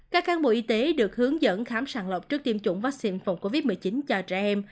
các cán bộ y tế được hướng dẫn khám sàng lọc trước tiêm chủng vaccine phòng covid một mươi chín cho trẻ em